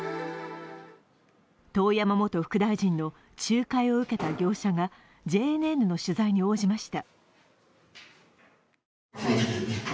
遠山元副大臣の仲介を受けた業者がＪＮＮの取材に応じました。